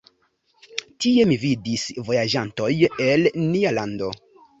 Tie mi vidis vojaĝantoj el nia lando.